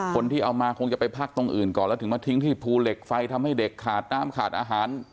คนที่เอามาคงจะไปพักตรงอื่นก่อนแล้วถึงมาทิ้งที่ภูเหล็กไฟทำให้เด็กขาดน้ำขาดอาหาร